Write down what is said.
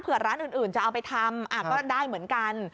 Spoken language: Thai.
เพื่อร้านอื่นจะเอาไปทำก็ได้เหมือนกัน